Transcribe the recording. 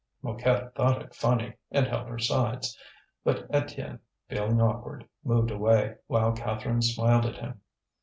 Mouquette thought it funny, and held her sides. But Étienne, feeling awkward, moved away, while Catherine smiled at him.